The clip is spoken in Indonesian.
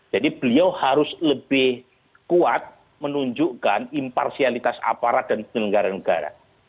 jadi beliau harus lebih kuat menunjukkan imparsialitas aparat dan penyelenggara negara